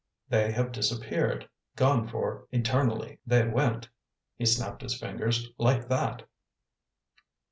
They have disappeared, gone for eternally. They went" he snapped his fingers "like that.